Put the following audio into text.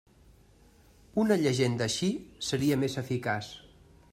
Una llegenda així seria més eficaç.